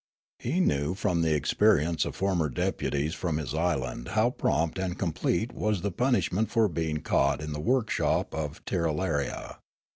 He knew from the experience of former deputies from his island how prompt and complete was the punish ment for being caught in the workshop of Tirralaria.